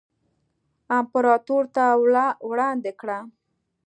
امپراتور ته وړاندې کړه.